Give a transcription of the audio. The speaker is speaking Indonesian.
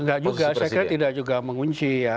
enggak juga sekret tidak juga mengunci ya